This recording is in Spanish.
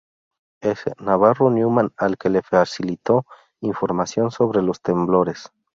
S. Navarro Neumann al que le facilitó información sobre los temblores.